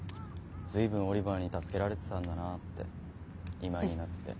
随分オリバーに助けられてたんだなって今になって。